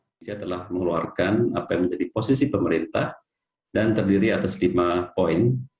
indonesia telah mengeluarkan apa yang menjadi posisi pemerintah dan terdiri atas lima poin